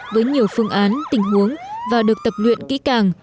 với nhiều phương án tình huống và được tập luyện kỹ càng